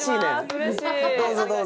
どうぞどうぞ。